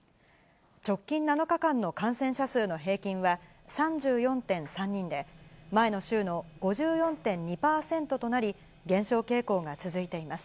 直近７日間の感染者数の平均は、３４．３人で、前の週の５４．２％となり、減少傾向が続いています。